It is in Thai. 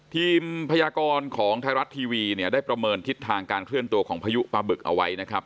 พยากรของไทยรัฐทีวีเนี่ยได้ประเมินทิศทางการเคลื่อนตัวของพายุปลาบึกเอาไว้นะครับ